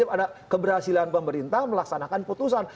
ada keberhasilan pemerintah melaksanakan putusan